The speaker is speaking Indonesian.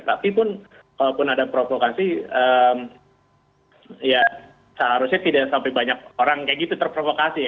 tapi pun kalaupun ada provokasi ya seharusnya tidak sampai banyak orang kayak gitu terprovokasi ya